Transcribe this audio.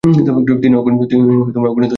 তিনি অগণিত সম্মাননা পেতে থাকেন।